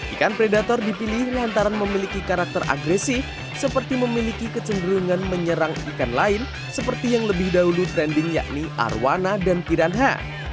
ikan predator dipilih lantaran memiliki karakter agresif seperti memiliki kecenderungan menyerang ikan lain seperti yang lebih dahulu trending yakni arwana dan piranha